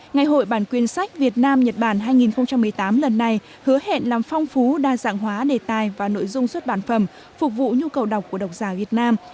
ngày hội bản quyền sách việt nam nhật bản hai nghìn một mươi tám lần này hứa hẹn làm phong phú đa dạng hóa đề tài và nội dung xuất bản phẩm phục vụ nhu cầu đọc của đọc giả việt nam